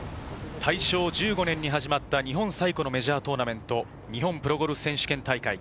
大正１５年に始まった日本最古のメジャートーナメント、日本プロゴルフ選手権大会。